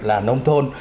là nông thôn